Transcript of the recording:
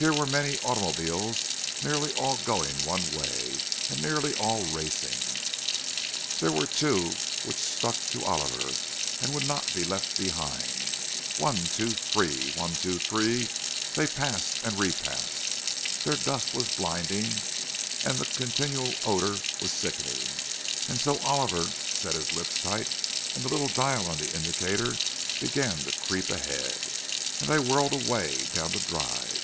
Here were many automobiles, nearly all going one way, and nearly all racing. There were two which stuck to Oliver and would not be left behind—one, two, three—one, two, three—they passed and repassed. Their dust was blinding, and the continual odour was sickening; and so Oliver set his lips tight, and the little dial on the indicator began to creep ahead, and they whirled away down the drive.